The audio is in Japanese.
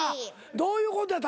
どういうことや？